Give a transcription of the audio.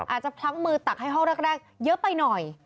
พลั้งมือตักให้ห้องแรกเยอะไปหน่อย